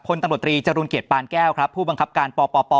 คนตำลดตรีจรุลเกียรติปานแก้วครับผู้บังคับการป่อป่อป่อ